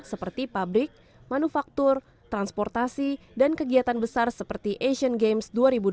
seperti pabrik manufaktur transportasi dan kegiatan besar seperti asian games dua ribu delapan belas